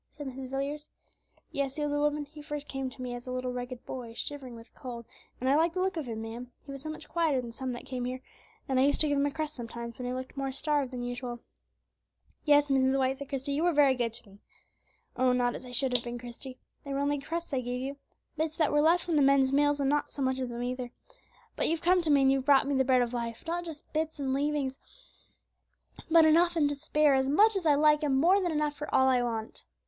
said Mrs. Villiers. "Yes," said the old woman, "he came to me first as a little ragged boy, shivering with cold; and I liked the look of him, ma'am, he was so much quieter than some that came here; and I used to give him a crust sometimes, when he looked more starved than usual." "Yes, Mrs. White," said Christie, "you were often very good to me." "Oh! not as I should have been, Christie; they were only crusts I gave you, bits that were left from the men's meals, and not so much of them either; but you've come to me and you've brought me the Bread of Life, not just bits and leavings, but enough and to spare, as much as I like, and more than enough for all I want."